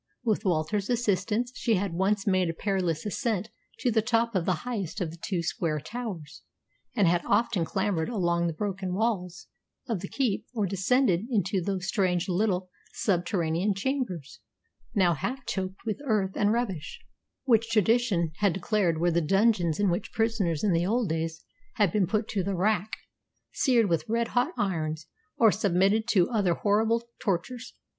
With Walter's assistance, she had once made a perilous ascent to the top of the highest of the two square towers, and had often clambered along the broken walls of the keep or descended into those strange little subterranean chambers, now half choked with earth and rubbish, which tradition declared were the dungeons in which prisoners in the old days had been put to the rack, seared with red hot irons, or submitted to other horrible tortures.